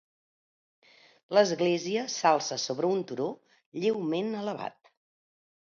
L'església s'alça sobre un turó lleument elevat.